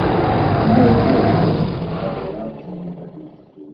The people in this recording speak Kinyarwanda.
unezerewe ahora mu birori